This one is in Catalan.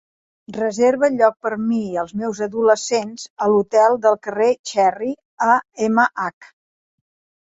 reserva lloc per mi i els meus adolescents a l'hotel del carrer Cherry a MH